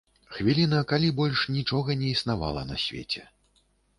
Хвіліна, калі больш нічога не існавала на свеце.